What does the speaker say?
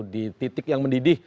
di titik yang mendidih